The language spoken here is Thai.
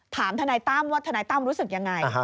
ถามธนายตั้มว่าธนายตั้มรู้สึกอย่างไร